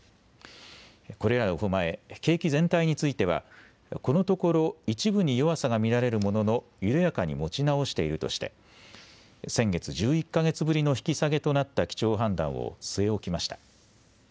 これらを踏まえ景気全体についてはこのところ一部に弱さが見られるものの緩やかに持ち直しているとして先月、１１か月ぶりの引き下げとなった基調判断を据え置きました。